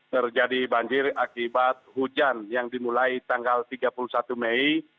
terjadi banjir akibat hujan yang dimulai tanggal tiga puluh satu mei